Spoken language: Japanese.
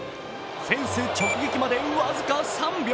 フェンス直撃まで僅か３秒。